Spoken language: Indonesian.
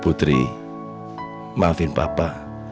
putri maafin papa